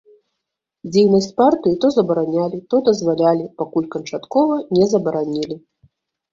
Дзейнасць партыі то забаранялі, то дазвалялі, пакуль канчаткова не забаранілі.